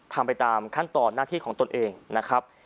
ทำไปตามขั้นตอนหน้าที่ของตนเองนะครับ